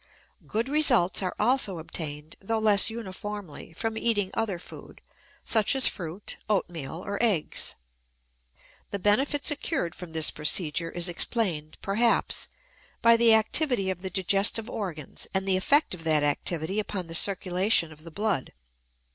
Good results are also obtained, though less uniformly, from eating other food, such as fruit, oatmeal, or eggs. The benefit secured from this procedure is explained, perhaps, by the activity of the digestive organs and the effect of that activity upon the circulation of the blood.